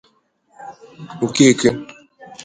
Okeke.